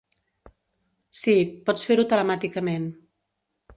Sí, pots fer-ho telemàticament.